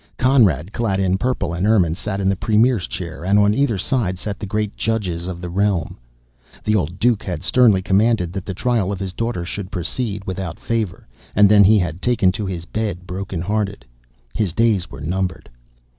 Conrad, clad in purple and ermine, sat in the premier's chair, and on either side sat the great judges of the realm. The old Duke had sternly commanded that the trial of his daughter should proceed, without favor, and then had taken to his bed broken hearted. His days were numbered.